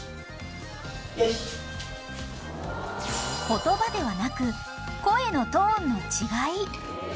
［言葉ではなく声のトーンの違い］